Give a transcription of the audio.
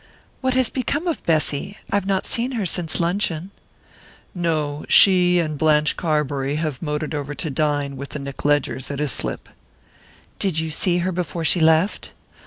"What has become of Bessy? I've not seen her since luncheon." "No. She and Blanche Carbury have motored over to dine with the Nick Ledgers at Islip." "Did you see her before she left?"